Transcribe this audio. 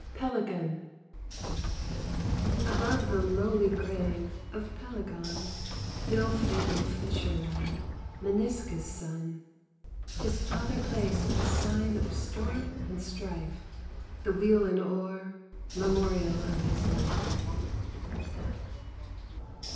PELAGON Above the lowly grave of Pelagon, Ill fated fisher lad, Meniscus' son, His father placed as sign of storm and strife The weel and oar, memorial of his life.